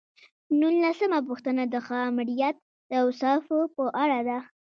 نولسمه پوښتنه د ښه آمریت د اوصافو په اړه ده.